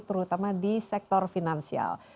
terutama di sektor finansial